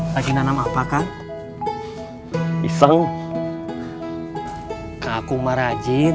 lagi nanam apakah bisa ngaku marajin